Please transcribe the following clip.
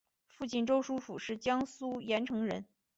父亲周书府是江苏盐城人。